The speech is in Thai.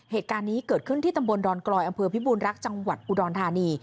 เหตุการณ์นี้เกิดขึ้นที่ตำบลดอนกลอยอำเภอพิบูรณรักจังหวัดอุดรธานี